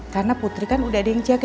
karena putri kan udah ada yang jagain